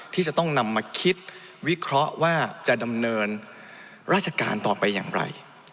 ที่จะต้องนำมาคิดวิเคราะห์ว่าจะดำเนินราชการต่อไปอย่างไร